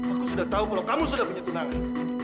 aku sudah tahu kalau kamu sudah punya tunangan